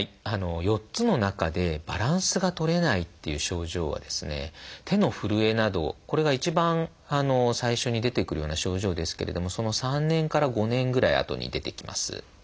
４つの中で「バランスがとれない」っていう症状は「手のふるえ」などこれが一番最初に出てくるような症状ですけれどもその３年から５年ぐらいあとに出てきます。